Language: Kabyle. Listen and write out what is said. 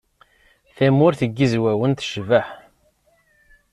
Tamurt n Yizwawen tecbeḥ.